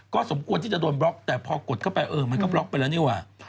ก็สมควรที่จะโดนบล็อกแต่พอกดเข้าไปเออมันก็บล็อกไปแล้วนี่ว่ะ